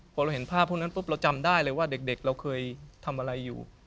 พอเราเห็นภาพพวกนั้นปุ๊บเราจำได้เลยว่าเด็กเราเคยทำอะไรอยู่